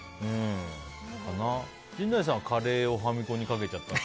陣内さんはカレーをファミコンにかけちゃったと。